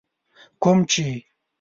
کوم چي